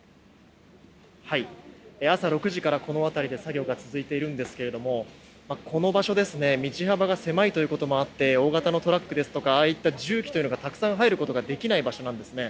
朝６時からこの辺りで作業が続いているんですがこの場所道幅が狭いということもあって大型のトラックですとか重機がたくさん入ることができない場所なんです。